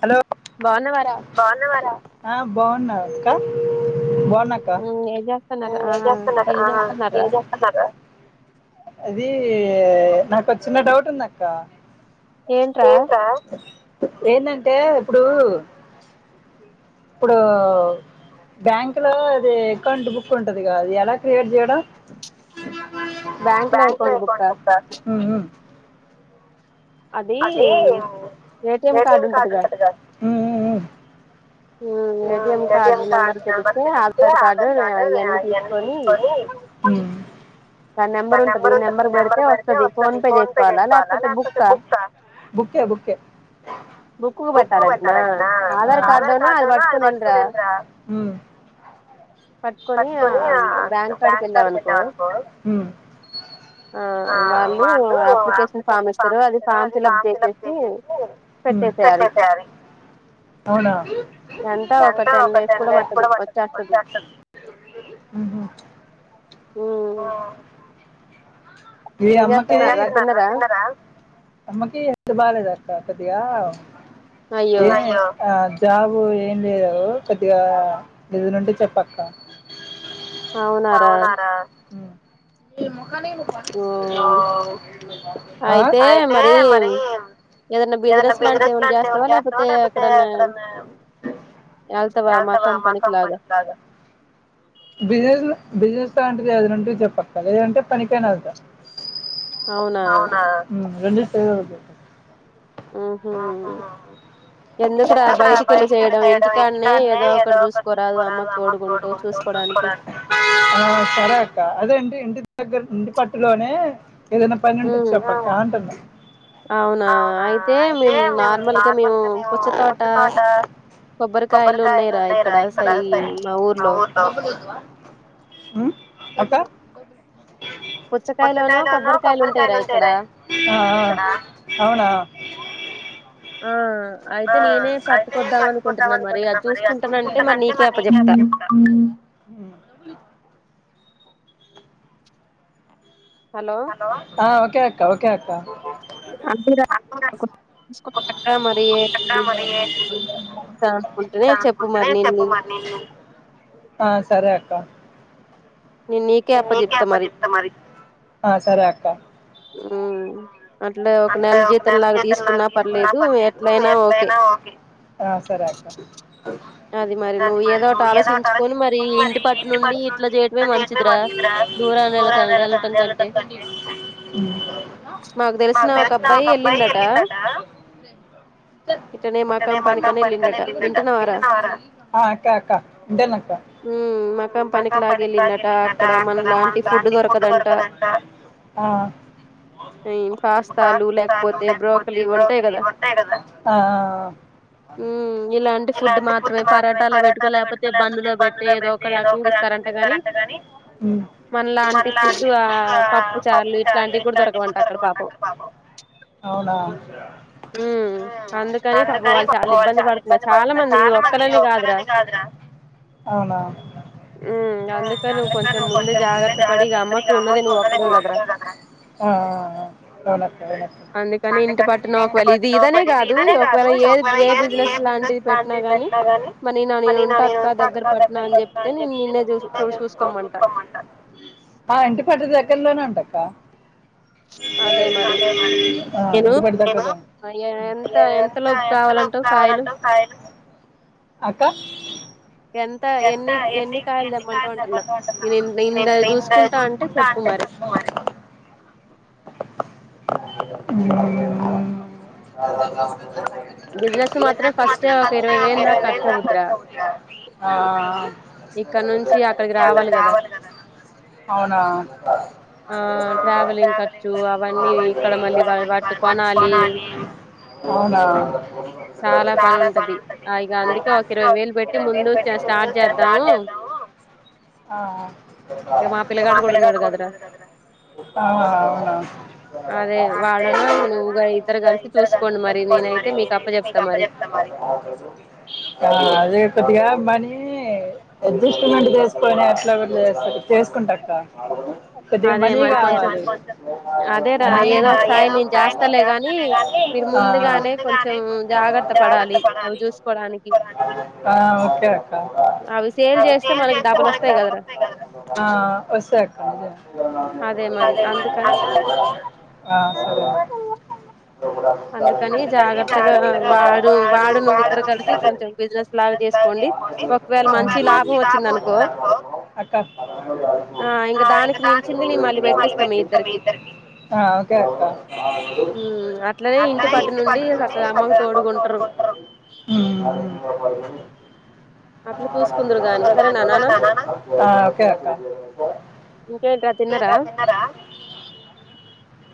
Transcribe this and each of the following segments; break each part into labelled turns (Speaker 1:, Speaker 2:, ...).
Speaker 1: hello బావున్నా వరా ఆ బావున్నా అక్క బ బావున్నాక్క ఏం చేస్తున్నారు ఏం చేస్తున్నారు అది ది నాకో చిన్న డౌట్ ఉందక్క ఏంట్రా ఏంటంటే ఇప్పుడు ఇప్పుడు బ్యాంక్ లో అది అకౌంట్ బుక్ ఉంటది కదది ఎలా క్రియేట్ చేయడం బ్యాంక్ లో అకౌంట్ బుక్క అదే ఏటిఎం కార్డు ఉంటదిగా ఊ ఊ
Speaker 2: ఏటిఎం కార్డు నెంబర్ తెలిస్తే ఆధార్ కార్డు ఇన్నీ తీసుకొని తనేమ్
Speaker 1: త నెంబర్ ఉంటంది ఈ నెంబర్ పెడితే వస్తుంది ఫోన్ పే చేసుకోవాలా లేకపోతే బుక్క బుక్కే బుక్కే బుక్కుకుపెట్టాలట్నా కార్డోనా అది పట్టుకొని వెళ్ళరా పట్టుకొని బ్యాంక్ కాడికి వెళ్ళావు అనుకో ఆ వాళ్ళు అప్లికేషన్ ఫామ్ ఇస్తారు అది ఫామ్ ఫిల్ అప్ చేసేసి పెట్టేసయాల ఎంతా ఒక టెన్ డేస్ కూడా పట్టదు వచ్చేస్తది ఆ ఈ అమ్మకి అమ్మకి ఎ బాలేదా కొతీగా అయ్యాయ జాబు ఏం లేదు కొద్దిగా నిధులుంటే చెప్పక్క అవునారా ఏమో అయితే మరి ఏదనా బిజినెస్ లాంటి ఏ చేస్తావా లేకపోతే అక్కడ చేస్తవా మా కంపెనీ లాగా బిజినెస్ బిజినెస్ సోడ్ లేదంటూ చెప్పక్క లేదంటే పనికైనా వెళ్తా అవునా రెండిట్లో ఎదోటి హమ్ హు ఎందుకరా బయటక వెళ్ళి చేయడం ఇంటికానే ఏదో ఒకటి చూసుకోరాదు అమ్మకు తోడుకుంటూ చూసుకోడానికి క్క అదేంటి ఇంటి దగ్గర ఇంటి పట్టులోనే ఏదైనా పని ఉంటే చెప్ప అక్క అవునా అయితే మే నార్మల్గా మేము పచ్చ తోట కొబ్బరికాయలు ఉన్నాయిరా ఇక్కడ మా ఊరిలో అక్క కొత్తకాయిలును కొబ్బరికాయలు ఉంటాయిరా ఇక్కడ అవునా అవునా ఆ అయితే మే మర్చిపోతాం అనుకుంటున్నా మరి అ చూసుకుంటందంటే మరి నీకే ఆపుచప్తారు హలో ఆహా ఒక అక్క అ సరే అ నే మీకే చెప్త చెప్తా మరి సరే అక్క
Speaker 2: హమ్
Speaker 1: అంటే ఒక నెల చేతలు నాకు తీసుకున్నా పర్లేదు ఎత్తయినా ఓకే సర అ
Speaker 2: అది మరి నువ్వు ఏదో ఒకటి ఆలోచించుకొని మరి ఇంటి పట్టు నుండి ఇట్లా చేయడమే మంచిదిరా దూరాన్ని వెళ్ళకడి వెళ్ళటం కంటే మాకు దగగ
Speaker 1: మా తెస నా బ అబ్బాయి ఎలిందట ఇంటనే మా కంపని కనే ఎందట నా ఆ అక్క అక్క అంతేనక్క హమ్ మకం పనికి లాగ వెళ్ళందట అక్కడ మన లాంటి ఫుడ్ దొరకదంట ఆహా
Speaker 2: పాస్తాలు లేకపోతే బ్రోకలి ఉంటాయి కదా ఇలాంటి ఫుడ్ మాత్ర మే పరాటలో పెట్టుకో లేకపోతే బందుులో పెట్టి ఏదో ఒకడ ఆకంగ ఇస్తారంట గాని మన లాంటి పు పప్పు చార్లు ఇట్లాంటివి కూడా దొరకమంట అక్కడ పాపం
Speaker 1: బ అందుకని కొనువాలి చాలా ఇబ్బంది పడుతున్నారు చాలా మంది ఒక్కనది కాదు రా అవునా హా జాగ్రత్తగా అమ్మని వదిలిపో కొంచం ముందు హా సరే అక్క వెళ్ళొస్తానుఅందుకని ఇంటి పట్టునాల ఇది ఇదనే కాదు ఏ బిజినెస్ లాంటిది మరీ ఇంటిదగ్గరే ఉంటా అని చెపితే ఉంటా ఇంటి పటు దగ్గరలోనే ఉంటక్క ఎంత ఎంత లో కావాలంటవు కాయలు
Speaker 2: ఎంత ఎన్ని ఎన్ని కాయలు తెమ్మంటావు అంటున్నా నేను ఇంత చూసుకుంటా అంటే చెప్పు మరి
Speaker 1: [unintelligible]
Speaker 2: చు అవన్నీ ఇక్కడ మళ్ళీ మనం వాటిని కొనాలి
Speaker 1: చాలా బాగాంటది ఇక అందుకే ఇరవై వేలు పెట్టి ముందు స్టార్ట్ చేస్తాము మా పిల్లగాడు కూడా ఉన్నారు కదరా
Speaker 2: అదే వాడును ఇక నువ్వు ఇద్దరు కలిసి చూసుకోండి మరి నేనైతే
Speaker 1: మీకు అప్ప చెపుతా అదే కొద్దిగా మనీ అడ్జస్ట్మెంట్ చేసుకొని ఎట్లఅట్లా చేసుకుంటక్క కొద్దిగా మనీ కావాలి అదేరా ఏదో ఒక సాయం నేను చేస్తాలే గాని మీరు ముందుగానే కొంచెం జాగ్రత్త పడాలి కదరా ఒకే అక్క అవి సేల్ చేస్తే మనకి డబల్ వస్తాయి కదరా హా వస్తాయి అదే మరి ఆ సరే అందుకని వాడు బినెస్లాసుకో ఒకసారి మంచి లాభం వచ్చిందికో ఇంకా దానికి లిమిట్ ఆ ఓకే అక్క అట్లనే ఇంటి పటున ఉండి చక్కగా అమ్మకు తోడుకుంటారు హ్మ్మ్ [unintelligible] ఏమి తిన్నారా ఒకే అక్క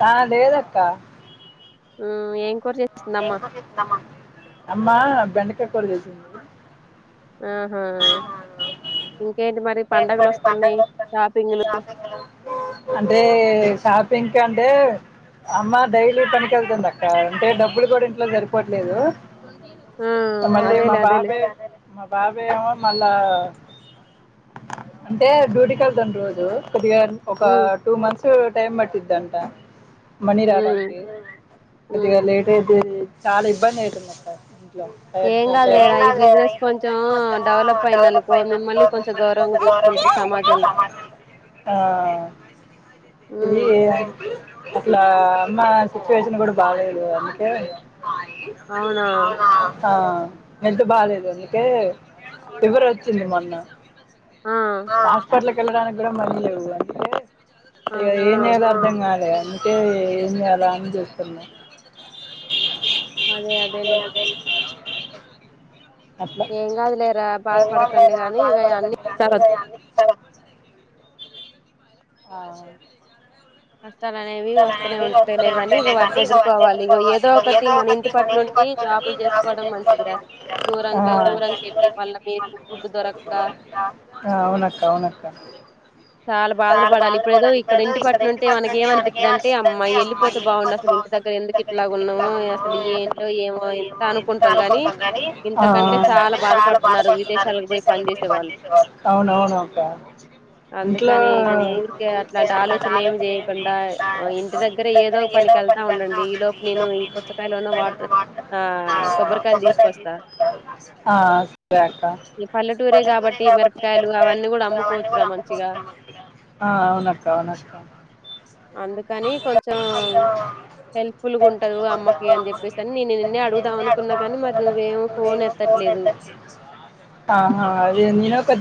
Speaker 1: ఆ లేదక్క ఏమి కూర చేసింది అమ్మా అమ్మ బెండక నీకు కూడా తెలిసింది అది
Speaker 2: ఆహా ఇంకే
Speaker 1: ఇంకేంటి మరి పండగలు వస్తాన్నాయి షాపింగ్లు అంటే షాపింగ్కు అంటే అమ్మా డైలీ పనికి వెళ్తుంది అక్క అంటే డబ్బులు కూడా ఇంట్లో సరిపోవట్లేదు మళ మా బాబే మా బాబే ఏమో మళ్ళా అంటే డ్యూటీకి వెళ్తాను రోజు కొద్దిగాన్ ఒక టూ మంత్స్ కు టైమ్ పట్టిద్దంటా మణి రావటానికి కొద్దిగా లేట్ [inaudible] చాలా ఇబ్బంది అయితుందక్క ార ఈ బిజినెస్ కొంత డవలప్ అయిందిండి గవర్మెంట్ ఆ ఇది ట్లా అమ్మ సిచువేషన్ కూడా బాగాలేదు అందుకే
Speaker 2: అవునా
Speaker 1: ఆ హెల్త్ బాలేదు అందుకే షుగరు వచ్చింది మొన్న ఆ హాస్పెటల్ కెళ్ళడానికి కూడా మనీ లేదు అందుకే ఇగ ఏం చేయాలో అర్ధం గాలే అందుకే ఏం చేయాలా అని చూత్తున్నా
Speaker 2: అదే అదేలే ఏం కాదు లేరా బాధపడకండి గానీ ఇగ
Speaker 1: కని ఉద అని [inaudible] ఆ అవునక్క అవునక్క ఆ ఆ అవును అవునక్కా
Speaker 2: అందుకని
Speaker 1: ఆ [inaudible] అక్క ఆ అవునక్క అవునక్కా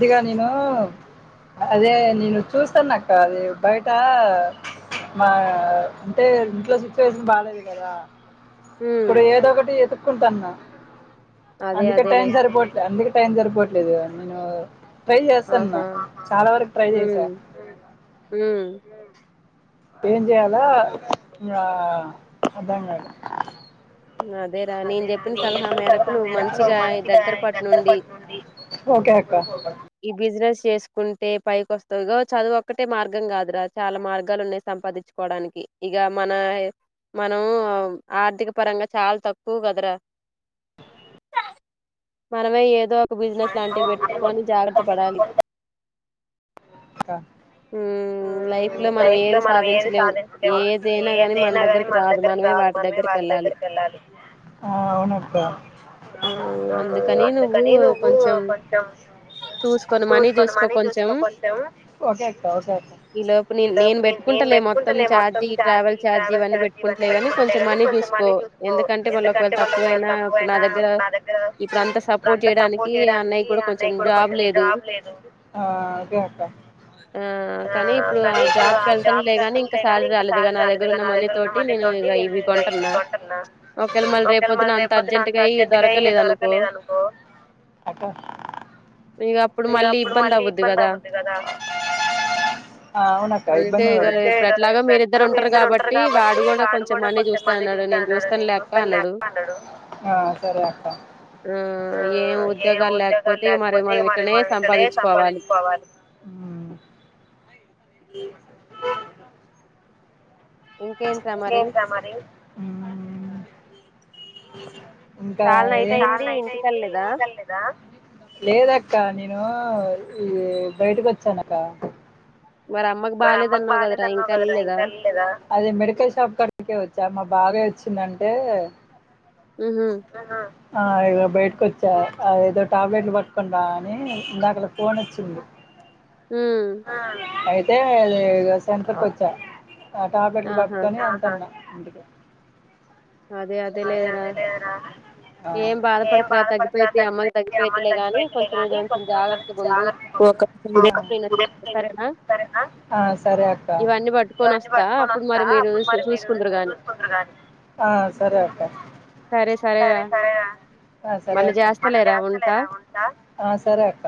Speaker 1: దిగా నేను అదే నేను చూస్తాను అక్క అది బయట మా అంటే ఇంట్లో కూర్చొని బాలేదు కదా ఇప్పుడు ఏదో ఒకటి ఎతుక్కుంటాన్నా అందుకే టైం సరిపోవట్లేదు అందుకే టైం సరిపోవట్లేదు [unintelligible] ట్రై చేస్తన్నా చాలా వరకు ట్రై చేసా హ ఏం చేయాలా ఇ అర్థం కాలే ఒకే అక్క
Speaker 2: చేసుకుంటే పైకి వస్తావు ఇక చదువు ఒక్కటే మార్గం కాదురా చాలా మార్గాలు ఉన్నాయి సంపాదించుకోవడానికి ఇక మన మనం ఆర్థిక పరంగా చాలా తక్కువ కదర మనమే ఏదో బిజినెస్ లాంటివి పెట్టుకొని జాగ్రత్త పడాలి
Speaker 1: అక్క ఆ అవునక్క ఓకే అక్క ఒక అక్క నేను పెట్టుకుంటానే మొత్తం చార్జి ట్రావెల్ ఛార్జి ఇవన్నీ పెట్టుకుంటే కానీ కొంచెం ఆ ఒకే అక్క
Speaker 2: ఆ కానీ ఇప్పుడు ఆ జాబ్కి వెళ్తాను లేగాని ఇంకా శాలరీ రాలేదు కానీ నా దగ్గర ఉన్న మంది తోటి నేను ఇ ఇవి కొంటున్నా
Speaker 1: ఒకవేళ మళ్ళీ రేపుొద్దు నా అంత అర్జెంట్గా ఇ దొరకలేదు అనుకో ఇక అప్పుడు మళ్ళీ ఇబ్బంది అవద్దు కదా అవునక్క ఇబ్బంది అేద్దగా మీరిద్దరు ఉంటారు కాబట్టి వాడు కూడా కొంతమంది తి ఆ సరే అక్క అ ఇకే స మరి ఇంకాైట్ అయింది నలేదా లేదక్క నేను ఈ బయటకి వచ్చానక మెడికల్ షాప్ కడికే వచ్చా మా బాబాయ్ వచ్చిందంటే ఆహా ఆ ఇగో బయటకు వచ్చా ఏదో టాబ్లెట్లు పట్టుకొని రా అని ఇందాక ఫోన్ వచ్చింది అ అ సెంటర్ కోచ్చ ఆ టాపెట్లు పట్టుకొని అంటాడా అందుకే
Speaker 2: అదే అదే లే
Speaker 1: ఆ సరే అక్క ఆ సరే అక్క ఆ సరే అక్క ఆ సరే అక్క